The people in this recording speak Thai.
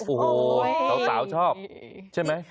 โอ้โหสาวชอบใช่ไหม